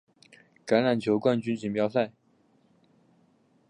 橄榄球冠军锦标赛。